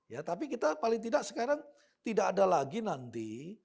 ya tapi kita paling tidak sekarang tidak ada lagi nanti